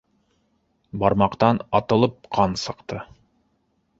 Бармаҡтан атылып ҡан сыҡты.